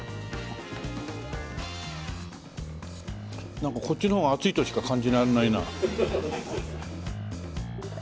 なんかこっちの方が熱いとしか感じられないな。